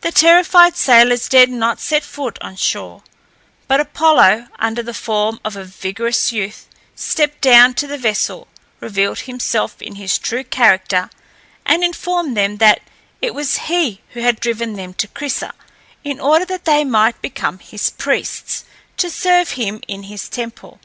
The terrified sailors dared not set foot on shore; but Apollo, under the form of a vigorous youth, stepped down to the vessel, revealed himself in his true character, and informed them that it was he who had driven them to Crissa, in order that they might become his priests, and serve him in his temple.